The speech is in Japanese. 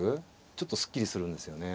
ちょっとすっきりするんですよね。